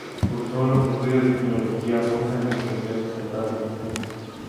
Cursó los estudios de filología rusa en la Universidad Estatal de Moscú.